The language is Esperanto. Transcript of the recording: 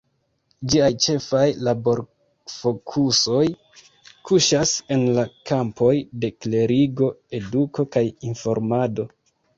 Ĝiaj ĉefaj laborfokusoj kuŝas en la kampoj de klerigo, eduko kaj informado.